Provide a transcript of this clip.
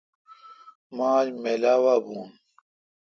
مہ آج میلہ وا بون۔